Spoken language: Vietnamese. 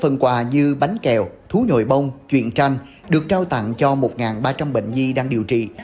như bánh kẹo thú nhồi bông chuyện tranh được trao tặng cho một ba trăm linh bệnh nhi đang điều trị